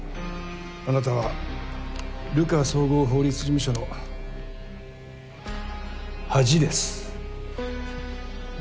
あなたは流川綜合法律事務所の恥です